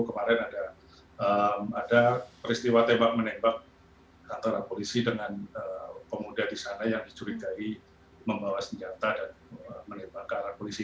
kemarin ada peristiwa tembak menembak antara polisi dengan pemuda di sana yang dicurigai membawa senjata dan menembak ke arah polisi